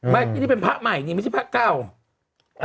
ที่นี่เป็นพระใหม่นี่ไม่ใช่พระเก่า